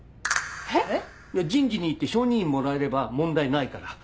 えっ⁉人事に行って承認印もらえれば問題ないから。